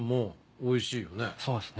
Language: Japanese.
そうですね。